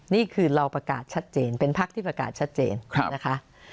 นี่คือเราประกาศชัดเจนเป็นพักที่ประกาศชัดเจนนะคะ